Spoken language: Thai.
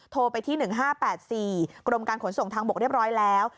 โทรไปที่๑๕๘๔กรมการขนส่งทางบกเรียบร้อยแล้ว